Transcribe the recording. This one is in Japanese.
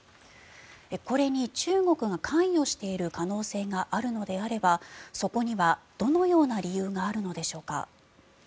これに中国が関与している可能性があるのであればそこにはどのような理由があるのでしょうか。